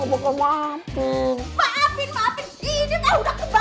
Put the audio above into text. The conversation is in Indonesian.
bakal lempa ya ma